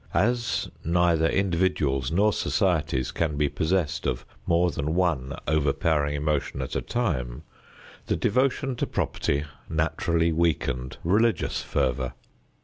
As neither individuals nor societies can be possessed of more than one overpowering emotion at a time, the devotion to property naturally weakened religious fervor.